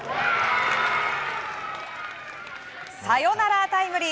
サヨナラタイムリー。